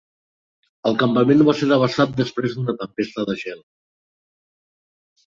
El campament va ser devastat després d'una tempesta de gel.